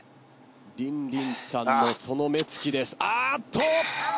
リンリンさんのその目つきあーっと！